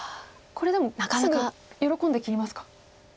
これでもすぐ喜んで切りますか？